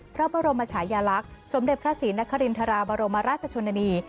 พระบรมชายลักษณ์สมเด็จพระศรีนครินทราบรมราชชนนานี